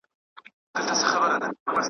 کشپ وویل خبره مو منمه.